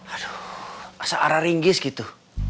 aduh seara ringgis gitu